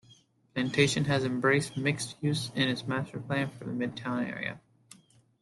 Plantation has embraced mixed-use in its master plan for the Midtown area.